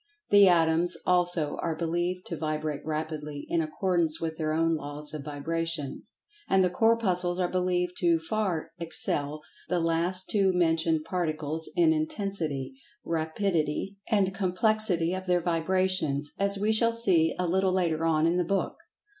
The Atoms also are believed to vibrate rapidly, in accordance with their own laws of vibration. And the Corpuscles are believed to far excel the last two mentioned particles in intensity, rapidity and complexity of their vibrations, as we shall see a little later on in the book.